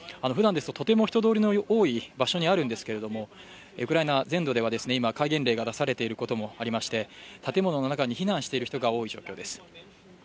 ふだんですととても人通りの多い場所にあるんですけれども、ウクライナ全土では今、戒厳令が出されていることもありまして建物の中に避難している人が多い状況です。